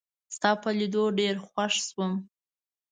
ستا په لیدو ډېر خوښ شوم